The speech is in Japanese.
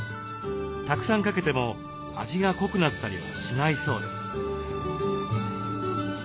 たくさんかけても味が濃くなったりはしないそうです。